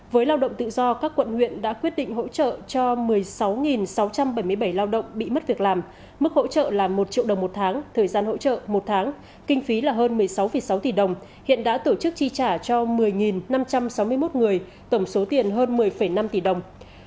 với lao động tự do các quận huyện đã quyết định hỗ trợ cho một mươi sáu sáu trăm bảy mươi bảy lao động bị mất việc làm mức hỗ trợ là một triệu đồng một tháng thời gian hỗ trợ một tháng kinh phí là hơn một mươi sáu sáu tỷ đồng hiện đã tổ chức chi trả cho một mươi năm trăm sáu mươi một người tổng số tiền hơn một mươi năm tỷ đồng